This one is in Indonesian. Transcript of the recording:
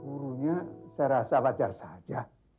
gurunya saya rasa wajar saja